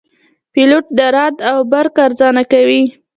پیلوټ د رعد او برق ارزونه کوي.